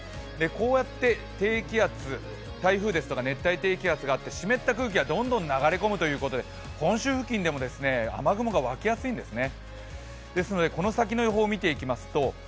こうやって低気圧、台風ですとか熱帯低気圧があって湿った空気がどんどん流れ込むということで本州付近でも雨雲がわきやすいんですね。